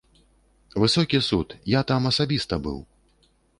Высокі суд, я там асабіста быў.